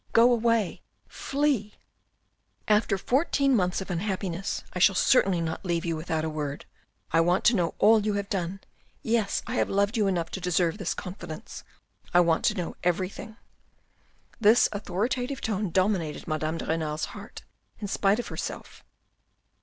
" Go away ! Flee !" "After fourteen months of unhappiness I shall certainly not leave you without a word. I want to know all you have done. Yes, I have loved you enough to deserve this con fidence. I want to know everything." This authoritative tone dominated Madame de Renal's heart in spite of herself.